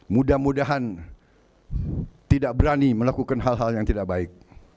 mudah mudahan tidak berani melakukan hal hal yang tidak baik